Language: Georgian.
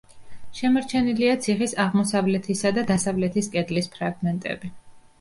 შემორჩენილია ციხის აღმოსავლეთისა და დასავლეთის კედლის ფრაგმენტები.